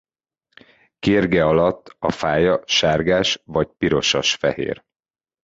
Kérge alatt a fája sárgás- vagy pirosas-fehér.